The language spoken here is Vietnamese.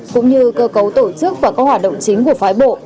cũng như cơ cấu tổ chức và các hoạt động chính của phái bộ